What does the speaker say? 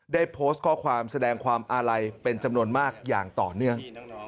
ได้โพสต์ข้อความแสดงความอาลัยเป็นจำนวนมากอย่างต่อเนื่อง